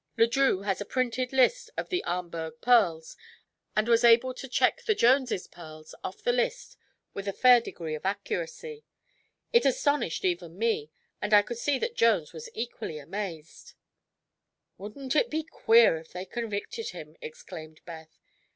Le Drieux has a printed list of the Ahmberg pearls, and was able to check the Jones' pearls off this list with a fair degree of accuracy. It astonished even me, and I could see that Jones was equally amazed." "Wouldn't it be queer if they convicted him!" exclaimed Beth.